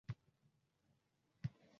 Maktablarimiz bormi – bor